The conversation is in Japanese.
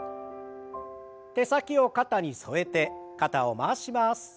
手先を肩に添えて肩を回します。